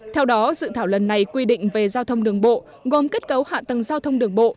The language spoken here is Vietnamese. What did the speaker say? theo đó dự thảo lần này quy định về giao thông đường bộ gồm kết cấu hạ tầng giao thông đường bộ